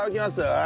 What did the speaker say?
ああ！